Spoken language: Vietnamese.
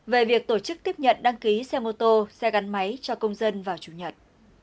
về việc tổ chức tiếp nhận đăng ký xe mô tô xe gắn máy cho công dân vào chủ nhật